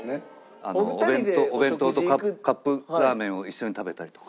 お弁当とカップラーメンを一緒に食べたりとか。